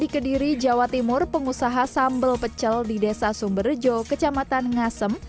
di kediri jawa timur pengusaha sambal pecel di desa sumberjo kecamatan ngasem